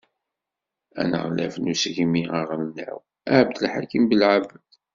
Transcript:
Aneɣlaf n Usegmi aɣelnaw, Abdelḥakim Belεabed.